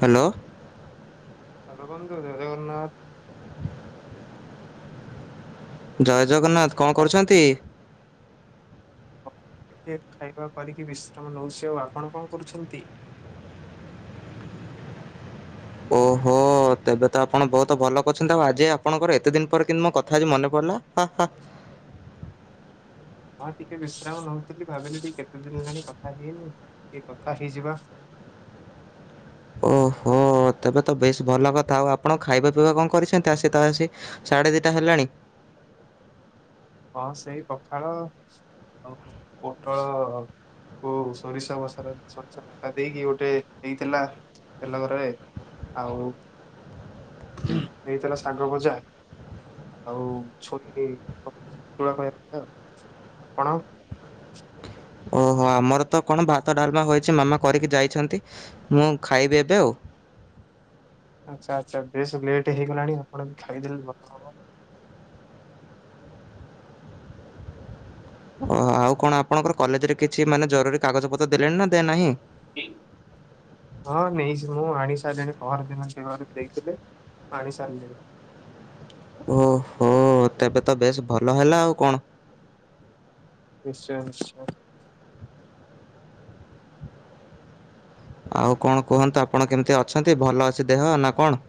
Hello. Hello ବନ୍ଧୁ ଜୟ ଜଗନ୍ନାଥ। ଯାହା। ଜଗନ୍ନାଥ କଣ କରୁଛନ୍ତି। କ ଟିକେ ଖାଇବା କରିକି ବିଶ୍ରାମ ନେଉଛି ଆଉ ଆପଣ କଣ କରୁଛନ୍ତି? ଓହୋ ତେବେ ତ ଆପଣ ବହୁତ ଭଲ କରିଛନ୍ତି ଆଉ ଆଜି ଆପଣଙ୍କର ଏତେ ଦିନ ପରେ କିନ୍ତୁ ମୋ କଥା ହେଛି ମନେ ପଡିଲା। ହଁ ଟିକେ ବିଶ୍ରାମ ନଉଥିଲି ଭାବିଲି ଟିକେ କେତେ ଦିନ ହେଲାଣି କଥା ହେଇନି ଟିକେ କଥା ହେଇଯିବା ହ ତେବେ ତ ବେଶ ଭଲ କଥା ଆଉ ଆପଣ ଖାଇବା ପିଇବା କଣ କରିଛନ୍ତି ଆସି ତା ଆସି ସାଢ଼େ ଦିଟା ହେଲାଣି ହଁ ସେଇ ପଖାଳ ଆଉ ପୋଟଳ କ ସୋରିଷ ମସା ସୋରିଷ ମସା ଦେଇକି ଗୋଟେ ହେଇଥିଲା ତେଲ ଘରରେ ଆଉ ହେଇଥିଲା ଶାଗ ଭଜା ଆଉ ଛୁଇଁ ତୁଳା କହ ଗ ଆଉ ଆ କଣ ଓହୋ ଆମର ତ କଣ ଭାତ ଡାଲମା ହେଛି ମାମା କରିକି ଯାଇଛନ୍ତି ମୁଁ ଖାଇବି ଏବେ ଆଉ। ଆଚ୍ଛା ଆଚ୍ଛା ବେଶ ଲେଟ ହେଇଗଲାଣି ଆପଣ ଖାଇଦେଲେ ଭଲ ହବ। ଓହୋ ଆଉ କଣ ଆପଣଙ୍କର କଲେଜରେ କିଛି ମାନେ ଜରୁରୀ କାଗଜପତ୍ର ଦେଲେଣି ନା ଦେ ନାହିଁ। ହଁ ନେଇଛି ମୁଁ ଆଣି ସାରିଲିଣି ପହର ଦିନ ିବାରୁ ଦେଇଥିଲେ ଆଣି ସାରିଲିଣି ଓହୋ ତେବେ ତ ବେଶ ଭଲ ହେଲା ଆଉ କଣ ନିଶ୍ଚୟ ନିଶ୍ଚୟ ଆଉ କଣ କୁହନ୍ତୁ ଆପଣ କେମିତି ଅଛନ୍ତି ଭଲ ଅଛି ଦେହ ନା କଣ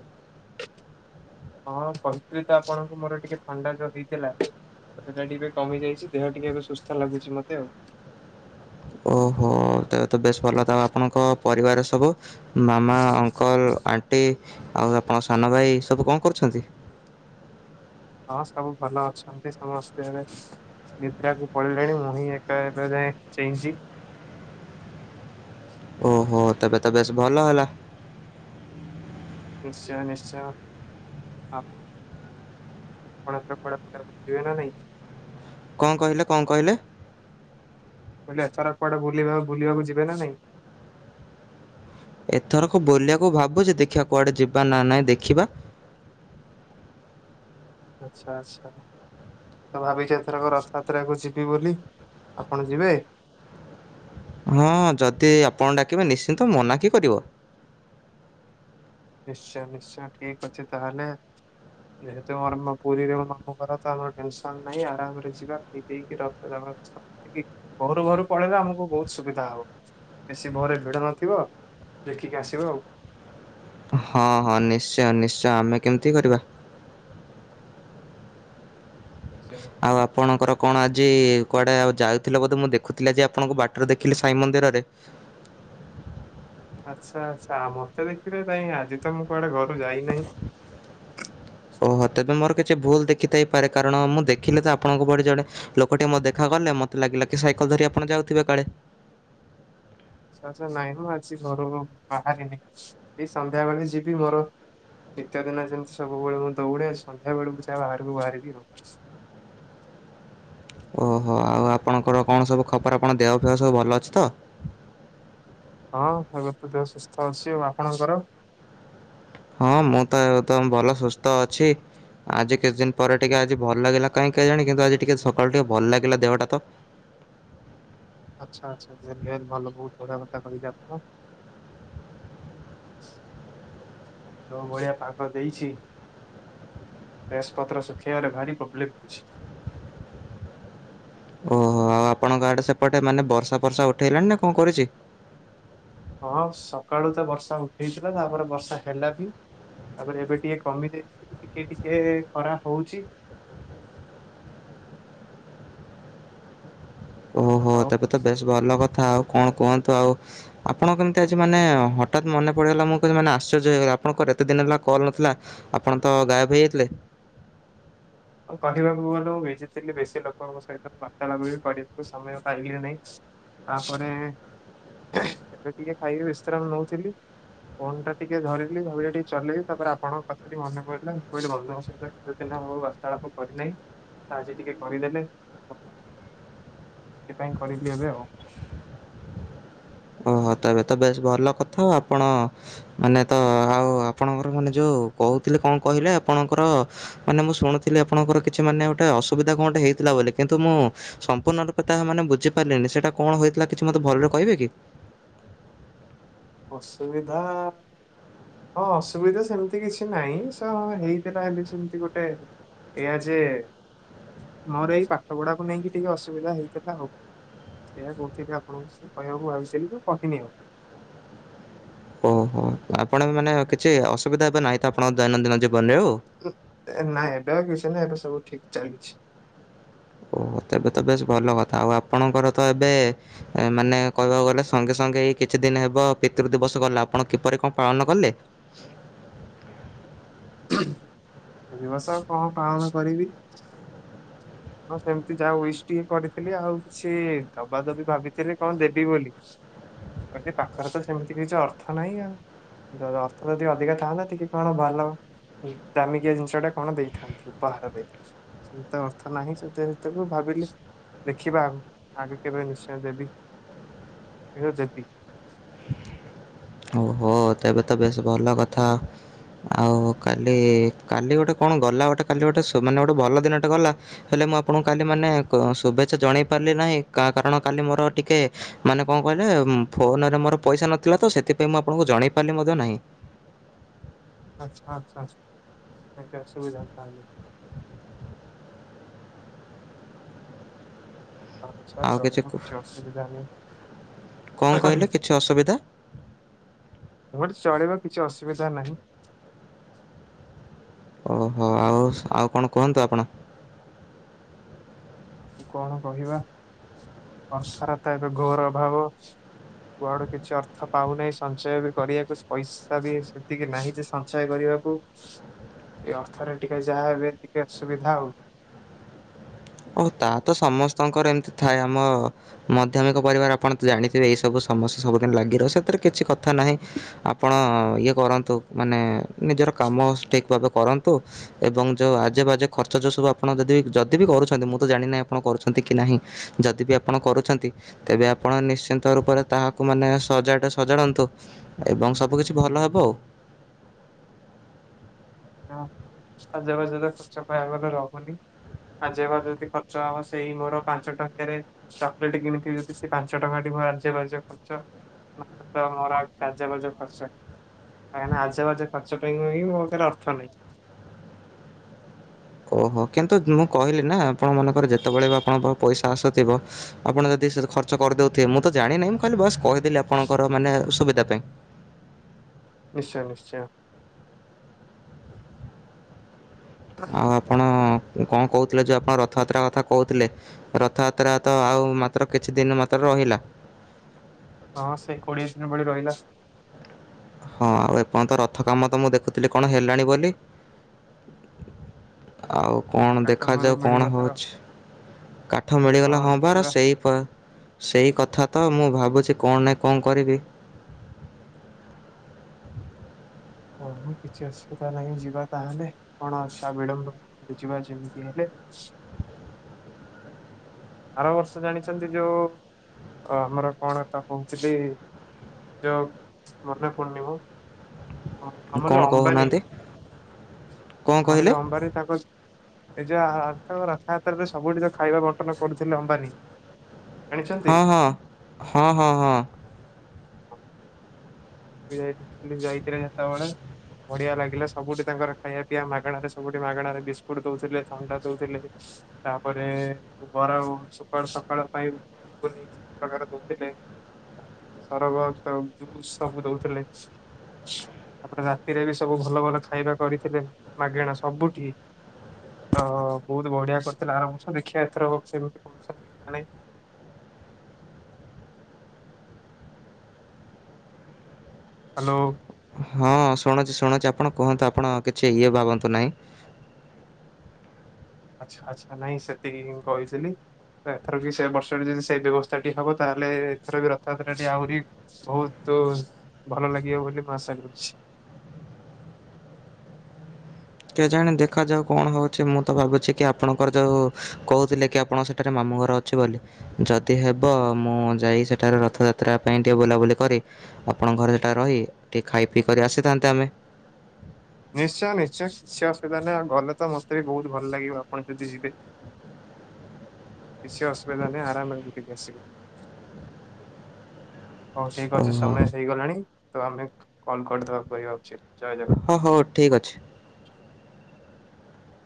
ହଁ ପୈତ୍ରୀ ତ ଆପଣଙ୍କୁ ମୋର ଟିକେ ଫାଣ୍ଡା ଯୋଉ ହେଇଥିଲା ସେଟା ଟିକେ କମି ଯାଇଛି ଦେହ ଟିକେବେ ସୁସ୍ଥ ଲାଗୁଛି ମତେ ଆଉ ଓହୋ ତ ତ ବେଶ ଭଲ ତା ଆପଣଙ୍କ ପରିବାର ସବୁ। ମାମା ଅଙ୍କଲଣ୍ ଆଉ ଆପଣ ସାନ ଭାଇ ସବୁ କଣ କରୁଛନ୍ତି। ହଁ ସବୁ ଭଲ ଅଛନ୍ତି ସମସ୍ତେ ଏବେ ନିଦ୍ରାକୁ ପଳିଲେଣି ମୁଁ ହିଁ ଏକ ଏବେ ଯାଏ, ଚେଇଁଛି। ଓହୋ ତବେ ତ ବେଶ ଭଲ ହେଲା। ନିଶ୍ଚୟ ନିଶ୍ଚୟ ଆଉ କଣଥର ପଢାପଢା ଯିବେ ନା ନାଇଁ। କଣ କହିଲେ କଣ କହିଲେ? ବହିଲେ ଏଥର କୁଆଡେ ବୁଲ ବୁଲିବାକୁ ଯିବେ ନା ନାଇଁ। ଏଥରକୁ ବୁଲିବାକୁ ଭାବୁଛି ଦେଖିବା କୁଆଡେ ଯିବା ନା ନାଇଁ ଦେଖିବା। ଆଚ୍ଛା ଆଚ୍ଛା ତ ଭାବିଚଥରକ ରଥ ଯାତ୍ରାକୁ ଯିବି ବୋଲି ଆପଣ ଯିବେ। ହଁ ଯଦି ଆପଣ ଡାକିବେ ନିଶ୍ଚିନ୍ତ ମନାକ କରିବ। ନିଶ୍ଚୟ ନିଶ୍ଚୟ ଠିକ ଅଛି ତାହେଲେ ଯେହେତୁ ମୋର ପୁରୀରେ ମୋ ମାମଁ ଘର ତ ଆମର ଟେନସନ ନାହିଁ ଆରାମରେ ଯିବା ଖ ପକି ରଥ ଜଗ କରିକି ଘରୁ ଘରୁ ପଳେଇଲେ ଆମକୁ ବହୁତ ସୁବିଧା ହବ ବେଶୀ ଭୋରେ ଭିଡ ନଥିବ ଦେଖିକି ଆସିବ ଆଉ। ହଁ ହଁ ନିଶ୍ଚୟ ନିଶ୍ଚୟ ଆମେ କେମିତି କରିବା। ଆଉ ଆପଣଙ୍କର କଣ ଆଜି କୁଆଡ଼େ ଆଉ ଯାଉଥିଲ ବୋଧେ ମୁଁ ଦେଖୁଥିଲି ଆଜି ଆପଣଙ୍କୁ ବାଟରେ ଦେଖିଲି ସାଇ ମନ୍ଦିରରେ। ଆଚ୍ଛା ଆଛା ମତେ ଦେଖିବେ କାଇଁ ଆଜି ତ ମୁଁ କୁଆଡେ ଘରୁ ଯାଇନାହିଁ। ଓହୋ ତେବେ ମୋର କିଛି ଭୁଲ ଦେଖିଥାଇପାରେ କାରଣ ମୁଁ ଦେଖିଲି ତ ଆପଣଙ୍କ ଭଳି ଜଣେ ଲୋକଟେ ମତେ ଦେଖା ଗଲେ ମୋତେ ଲାଗିଲା କି ସାଇକେଲ ଧରି ଆପଣ ଯାଉଥିବେ କାଳେ। ଆଛା ନାଇଁ ମୁଁ ଆଜି ଘରୁ ବାହାରିନି ଏଇ ସନ୍ଧ୍ୟା ବେଳେ ଯିବି ମୋର ଦ୍ୱିତୀୟ ଦିନ ଯେମିତି ସବୁବେଳେ ମୁଁ ଦୌଡେ ସନ୍ଧ୍ୟା ବେଳକୁ ଯା ବାହାରକୁ ବାହାରିବି ଆଉ। ଓହୋ ଆଉ ଆପଣଙ୍କର କଣ ସବୁ ଖବର ଆପଣ ଦେହଫେହ ସବୁ ଭଲ ଅଛି ତ? ହଁ ଏବେ ତ ଦେହ ସୁସ୍ଥ ଅଛି ଆଉ ଆପଣଙ୍କର? ହଁ ମୁଁ ତ ଏକଦମ ଭଲ ସୁସ୍ଥ ଅଛି ଆଜି କିଛି ଦିନ ପରେ ଟିକେ ଆଜି ଭଲ ଲାଗିଲା କାହିଁ କେଜାଣି କିନ୍ତୁ ଆଜି ଟିକେ ସକାଳୁ ଟିକେ ଭଲ ଲାଗିଲା ଦେହଟା ତ। ଆଚ୍ଛା ଆଚ୍ଛା [unintelligible] ଭଲ ବହୁତ ବଢିଆ କଥା କହିଲେ ଆପଣ। ଯୋଉ ଭଳିଆ ପାଗ ଦେଇଛି ଡ୍ରେସ୍ ପତ୍ର ସୁଖେଇବାରେ ଭାରି ପ୍ରୋବଲେମ୍ ହଉଛି। ଓହୋ ଆଉ ଆପଣଙ୍କ ଆଡେ ସେପଟେ ମାନେ ବର୍ଷା ଫର୍ଷା ଉଠେଇଲାଣି ନା କଣ କରୁଛି? ହଁ ସକାଳୁ ତ ବର୍ଷା ଉଠେଇଥିଲା ତାପରେ ବର୍ଷା ହେଲା ବି ତାପରେ ଏବେ ଟିକେ କମି ଯାଇଛି ଟିକେ ଟିକେ ଖରା ହଉଛି। ଓହୋ ଆଉ ତେବେ ତ ବେଶ ଭଲ କ ଆଉ କଣ କୁହନ୍ତୁ ଆଉ ଆପଣ କେମିତି ଆଜି ମାନେ ହଠାତ୍ ମନେ ପଡିଗଲା ମୁଁ ତ ମାନେ ଆଶ୍ଚର୍ଯ୍ୟ ହେଇଗଲି ଆପଣଙ୍କର ଏତେ ଦିନ ହେଲା କଲ ନଥିଲା ଆପଣ ତ ଗାଏବ ହେଇଯାଇଥିଲେ। କହିବାକୁ ଗଲୁ ଭଜିଥିଲି ବେଶୀ ଲୋକଙ୍କ ସହିତ ବାର୍ତ୍ତାଳାପ ବି କରିବାକୁ ସମୟ ପାଇଲି ନାହିଁ ତାପରେ ଏବେ ଟିକେ ଖାଇକି ବିଶ୍ରାମ ନାଉଥିଲି ଫୋନ୍ ଟା ଟିକେ ଧରିଥିଲି ଭାବିଲି ଟିକେ ଚଲେଇବି ତା ପରେ ଆପଣ ଙ୍କ କଥା ଟି ମନେ ପଡିଲା ମୁଁ କହିଲି ବନ୍ଧୁ ଙ୍କ ସହିତ କେତେ ଦିନ୍ ହବ ବା ତାଳପ କରିନାହିଁ ଆଜି ଟିକେ କରିଦେଲେ ଭଲ ହବ ସେଥିପାଇଁ କରିଲି ଏବେ ଆଉ। ଓହୋ ତେବେ ତ ବେଶ ଭଲ କଥା ଆଉ ଆପଣ ମାନେ ତ ଆଉ ଆପଣଙ୍କର ମାନେ ଯୋଉ କହୁଥିଲି କଣ କହିଲେ ଆପଣଙ୍କର ମାନେ ମୁଁ ଶୁଣୁଥିଲି ଆପଣଙ୍କର କିଛି ମାନେ ଗୋଟେ ଅସୁବିଧା କଣ ଗୋଟେ ହେଇଥିଲା ବୋଲି କିନ୍ତୁ ମୁଁ ସମ୍ପୂର୍ଣ୍ଣ ରୂପେ ତାହା ମାନେ ବୁଝିପାରିଲିନି ସେଇଟା କଣ ହେଇଥିଲା କିଛି ମତେ ଭଲରେ କହିବେ କି। ଅସୁବିଧା ହଁ ଅସୁବିଧା ସେମିତି କିଛି ନାହିଁ, ସେଁ ହେଇଥିଲା ହେଲା ବୋଲି ସେମିତି ଗୋଟେ ଏଇଆ ଯେ ମୋର ଏଇ ପାଠ ପଢାକୁ ନେଇକି ଟିକେ ଅସୁବିଧା ହେଇଥିଲା ଆଉ। ସେଇୟଆ କହୁଥିଲି ଆପଣଙ୍କୁ ସେ କହିବାକୁ ଭାବିଥିଲି ତ କହିନି ଆଉ। ଓହୋ ଆପଣ ମାନେ କିଛି ଅସୁବିଧା ଏବେ ନାହିଁ ତ ଆପଣଙ୍କ ଦୈନନ୍ଦିନ ଜୀବ ନାଇଁ ଏବେ ଆଉ କିଛି ନାହିଁ ଏବେ ସବୁ ଠିକ୍। ଚାଲିଚି। ଓ ତେବେ ତ ବେଶ ଭଲ କଥା ଆଉ ଆପଣଙ୍କର ତ ଏବେ ମାନେ କହିବାକୁ ଗଲେ ସଙ୍ଗେ ସଙ୍ଗେ ଏଇ କିଛି ଦିନ ହେବ ପିତୃ ଦିବସ ଗଲା ଆପଣ କିପରି କଣ ପାଳନ କଲେ? ଦିବସ କଣ ପାଳନ କରିବି ହଁ ସେମିତି ଯାହା ୱିଶ କରିଥିଲି ଆଉ କିଛି ଦବା ଦବି ଭାବିଥିଲି କଣ ଦେବି ବୋଲି କହିଲି ପାଖରେ ତ ସେମିତି କିଛି ଅର୍ଥ ନାହିଁ ଆଉ ଅର୍ଥ ଯଦି ଅଧିକା ଥାନ୍ତା ଟିକେ କଣ ଭଲ ଦାମିକିଆ ଜିନିଷ ଟା କଣ ଦେଇଥାନ୍ତି ଉପହାରରେ ସେମତି ତ ଥ ନାହିଁ ସେତ ତେବେ ଭାବିଲି ଦେଖିବା ଆଉ କେବେ ନିଶ୍ଚୟ ଦେବି [unintelligible] ଦେବି। ଓହୋ ତେବେ ତ ବେଶ ଭଲ କଥା ଆଉ କାଲି କାଲି ଗୋଟେ କଣ ଗଲା ଗୋଟେ କାଲି ଗୋଟେ ମାନେ ଗୋଟେ ଭଲ ଦିନଟେ ଗଲା ହେଲେ ମୁଁ ଆପଣଙ୍କୁ କାଲି ମାନେ ଶୁଭେ୍ଛା ଜଣେଇ ପାରିଲି ନାହିଁ କାରଣ କାଲି ମୋର ଟିକେ ମାନେ କଣ କହିଲେ ଫୋନରେ ମୋର ପଇସା ନଥିଲା ତ ସେଥି [unintelligible] ମୁଁ ଆପଣଙ୍କୁ ଜଣେଇ ପାରିଲି ମଧ୍ୟ ନାହିଁ। ଆଛା ଆଚ୍ଛା ଏତେ ଅସୁବିଧା ତାହେଲେ। ଆଚ୍ଛା ଚଳିବ କିଛି ଅସୁବିଧା କଣ ନାହିଁ କହିଲେ କିଛି ଅସୁବିଧା ଗୋଟେ ଚଳିବ କିଛି ଅସୁବିଧା ନାହିଁ। ଓହୋ ଆଉ ଆଉ କଣ କୁହନ୍ତୁ ଆପଣ? ଆଉ କଣ କହିବା ଅର୍ଥର ତ ଏବେ ଘୋର ଅଭାବ କୁଆଡେ କିଛି ଅର୍ଥ ପାଉନାହିଁ, ସଞ୍ଚୟ ବି କରିବାକୁ ପଇସା ବି ସେତିକି ନାହିଁ ଯେ ସଞ୍ଚୟ କରିବାକୁ ସେ ଅର୍ଥରେ ଟିକେ ଯାହା ହେବେ ଟିକେ ଅସୁବିଧା ଆଉ। ଓ ତା ତ ସମସ୍ତଙ୍କର ଏମିତି ଥାଏ ଆମ ମଧ୍ୟମିକ ପରିବାର ଆପଣ ତ ଜାଣିଥିବେ ଏଇ ସବୁ ସମସ୍ୟା ସବୁଦିନ ଲାଗି ରହି ସେଥିରେ କିଛି କଥା ନାହିଁ, ଆପଣ ଇଏ କରନ୍ତୁ ମାନେ ନିଜର କାମ ଠିକ ଭାବେ କରନ୍ତୁ ଏବଂ ଯେଉଁ ଆଜେ ବାଜେ ଖର୍ଚ୍ଚ ଯେଉଁ ସବୁ ଆପଣ ଯଦି ଯଦି ବିି କରୁଚ ମୁଁ ତ ଜାଣିିନାହିଁ ଆପଣ କରୁଛନ୍ତି କି ନାହିଁ ଯଦି ବି ଆପଣ କରୁଛନ୍ତି ତେବେ ଆପଣ ନିଶ୍ଚିନ୍ତ ରୂପରେ ତାହାକୁ ମାନେ ସଜାଡ଼ ସଜାଡ଼ନ୍ତୁ ଏବଂ ସବୁ କିଛି ଭଲ ହବ ଆଉ। ଆଜେ ବାଜେ ତ ଖର୍ଚ୍ଚ କହିବାକୁ ଗଲେ ରହୁନି ଆଜେ ବାଜେ ଯଦି ଖର୍ଚ୍ଚ ହବ ସେଇ ମୋର ପାଞ୍ଚ ଟଙ୍କାରେ ଚକୋଲେଟ କିଣିଥିବି ଯଦି ସେ ପାଞ୍ଚ ଟଙ୍କା ଟି ମୋର ଆଜେ ବାଜେ ଖର୍ଚ୍ଚ ନହେଲେ ତ ମୋର ଆଜେ ବାଜେ ଖର୍ଚ୍ଚ କାହିଁନା ଆଜ ବାଜେ ଖର୍ଚ ପାଈଁ [unintelligible] [unintelligible] ଓହୋ କିନ୍ତୁ ମୁଁ କହିଲି ନା ଆପଣ ମନେକର ଯେତେବେଳେ ବି ଆପଣଙ୍କ ପଇସା ଆସୁଥିବ ଆପଣ ଯଦି ଖର୍ଚ୍ଚ କରିଦଉଥିବେ ମୁଁ ତ ଜାଣିନାହିଁ ମୁଁ ଖାଲି ବାସ୍ କହିଦେଲି ଆପଣଙ୍କର ମାନେ ସୁବିଧା ପାଇଁ। ନିଶ୍ଚୟ ନିଶ୍ଚୟ। ଆଉ ଆପଣ? କଣ କହୁଥିଲେ ଯଉଁ ଆପଣ ରଥଯାତ୍ରା କଥା କହୁଥିଲେ, ରଥଯାତ୍ରା ତ ଆଉ ମାତ୍ର କିଛି ଦିନ ମାତ୍ର ରହିଲା। ହଁ ସେ କୋଡିଏ ଦିନ ଭଳି ରହିଲା। ହଁ ଆଉ ଏପର୍ଯ୍ୟନ୍ତ ରଥ କାମ ତ ମୁଁ ଦେଖୁଥିଲି କଣ ହେଲାଣି ବୋଲି। ଆଉ କଣ କାଟ ଘରେ ଦେଖାଯାଉ କଣ ମିଳିଗଲା ହଉଛି କାଠ ମିଳିଗଲା ହଁ ପରା ସେଇ ପା ସେଇ କଥା ତ ମୁଁ ଭାବୁଛି କଣ ନାହିଁ କଣ କରିବି? ହ କିଛି ଅସୁବିଧା ନାହିଁ ଯିବା ତାହଲେ କଣ ଅଛି ବିଳମ୍ବ ଯିବା ଯେମିତି ହେଲେ ଆର ବର୍ଷ ଜାଣିଛନ୍ତି ଯୋଉ ଆମର କଣ ତା କହୁଥିଲି ଯୋଉ ମନେ ପଡୁନିମ। ହଁ ଆମର କଣ ଯୋଉ ଅମ୍ବାନୀ କହୁନାହାନ୍ତି କଣ ଆମର କହିଲେ ଯୋଉ ଅମ୍ବାନୀ ତାକୁ ଏ ଯୋଉ [unintelligible] ରଖା ରେ ସବୁ ତ ଖାଇବା ବଣ୍ଟନ କରୁଥିଲେ ଅମ୍ବାନୀ ଜାଣିଛନ୍ତି? ହଁ ହଁ ହଁ ହଁ ହଁ। ହ [inaudible] ଯାଇଥିଲେ ଯେତେବେଳେ ବଢିଆ ଲାଗିଲା। ସବୁଠି ତାଙ୍କର ଖାଇବା ପିଇବା ମାଗଣାରେ ସବୁଠି ମାଗଣାରେ ବିସ୍କୁଟ ଦଉଥିଲେ, ଥଣ୍ଡା ଦଉଥିଲେ ତାପରେ ବର ସକାଳୁ ସକାଳୁ ପାଇଁୁନି ସବୁ ପ୍ରକାର ଦଉଥିଲେ। ତାପରେ ସରବତ ଜୁସ୍ ସବୁ ଦଉଥିଲେ ତାପରେ ରାତିରେ ବି ସବୁ ଭଲ ଭଲ ଖାଇବା କରିଥିଲେ। ମାଗେଣା ସବୁଠି ତ ବହୁତ ବଢିଆ କରିଥିଲେ। ଆରମ୍ଭୁ ଦେଖିବା ଏଥର ସେମିତି କହୁଛନ୍ତି କି ନ ନହିଁ? ହ୍ୟାଲୋ। ହଁ, ଶୁଣୁଛି ଶୁଣୁଛି ଆପଣ କୁହନ୍ତୁ ଆପଣ କିଛି ଇଏ ଭାବନ୍ତୁ ନାହିଁ। ଆଚ୍ଛା, ଆଚଛା ନାଇଁ ସେତିକି କହିଥିଲି। ଏଥର କି ସେ ବର୍ଷରେ ଯଦି ସେଇ ବ୍ୟବସ୍ଥା ଟି ହବ ତାହେଲେ ଏଥର ବି ରଥଯାତ୍ରା ଟି ଆହୁରି ବହୁତ ଭଲ ଲାଗିବ ବୋଲି ମୁଁ ଆଶା କରୁଛି। ଜାଣି ଦେଖାଯାଉ କଣ ହଉଛି। ମୁଁ ତ ଭାବୁଛି କି ଆପଣଙ୍କର ଯୋଉ କହୁଥିଲେ କି ଆପଣଙ୍କ ସେଠାରେ ମାମୁଁ ଘର ଅଛି ବୋଲି। ଯଦି ହେବ ମୁଁ ଯାଇ ସେଠାରେ ରଥଯାତ୍ରା ପାଇଁ ଟିକେ ବୁଲାବୁଲି କରି ଆପଣଙ୍କ ଘର ସେଟା ରହି ଟିକେ ଖାଇ ପିଇ କରି ଆସିଥାନ୍ତେ ଆମେ ନିଶ୍ଚୟ ନିଶ୍ଚୟ, କିଛି ଅସୁବିଧା ନାହିଁ ଆଉ ଗଲେ ତ ମତେ ବି ବହୁତ ଭଲ ଲାଗିବ ଆପଣ ଯଦି ଯିବେ। କିଛି ଅସୁବିଧା ନାହିଁ ଆରାମରେ ବିକିକି ଆସିବୁ। ହଉ ଠିକ ଅଛି ଓହୋ ସମୟ ହେଇଗଲାଣି। ତ ଆମେ କଣ କରିଦବା କରିବା ଉଚିତ। ଜୟ ଜଗନ୍ନାଥ। ହଉ ହଉ ଠିକ୍ ଅଛି।